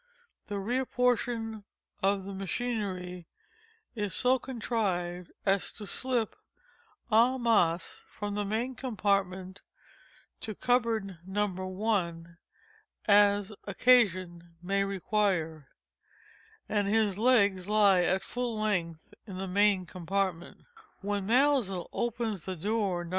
(the rear portion of which machinery is so contrived as to slip _en masse, _from the main compartment to the cupboard No. I, as occasion may require,) and his legs lie at full length in the main compartment. When Maelzel opens the door No.